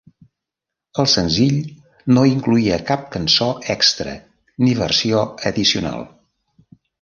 El senzill no incloïa cap cançó extra ni versió addicional.